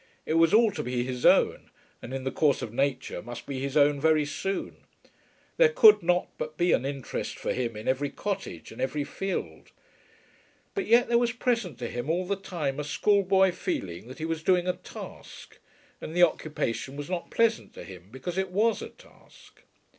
It was all to be his own, and in the course of nature must be his own very soon. There could not but be an interest for him in every cottage and every field. But yet there was present to him all the time a schoolboy feeling that he was doing a task; and the occupation was not pleasant to him because it was a task.